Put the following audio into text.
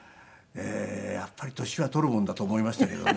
やっぱり年は取るもんだと思いましたけどね。